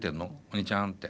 お兄ちゃんって。